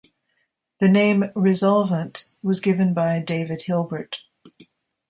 The name "resolvent" was given by David Hilbert.